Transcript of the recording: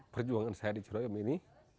perjuangan saya di ciloyom ini